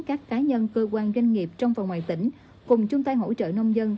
các cá nhân cơ quan doanh nghiệp trong và ngoài tỉnh cùng chung tay hỗ trợ nông dân